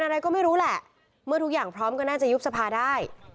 ทุกคนใครเขาพร้อมเขาก็ยุตรภาพได้